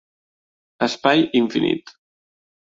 Espai infinit